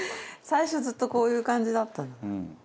最初ずっとこういう感じだったな。